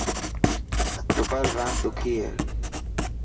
فٽبال راند ڏکي هي.